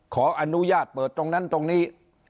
ขออนุญาตเปิดตรงนั้นตรงนี้